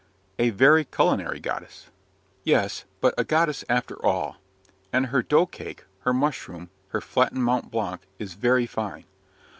"A very culinary goddess." "Yes! but a goddess after all. And her dough cake, her mushroom, her flattened Mont Blanc, is very fine.